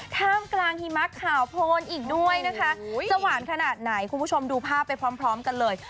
ท่ามกลางหิมะขาวโพนอีกด้วยนะคะจะหวานขนาดไหนคุณผู้ชมดูภาพไปพร้อมกันเลย